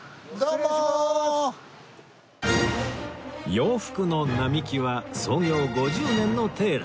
洋服の並木は創業５０年のテーラー